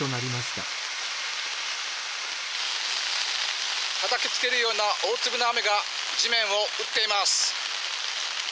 たたきつけるような大粒の雨が地面を打っています。